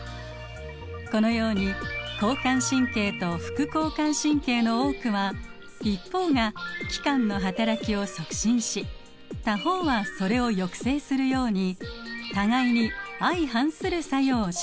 このように交感神経と副交感神経の多くは一方が器官のはたらきを促進し他方はそれを抑制するように互いに相反する作用を示します。